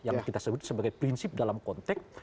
yang kita sebut sebagai prinsip dalam konteks